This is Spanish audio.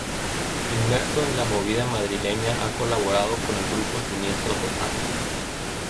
Inmerso en la movida madrileña ha colaborado con el grupo Siniestro Total.